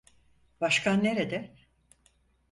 Başkan nerede?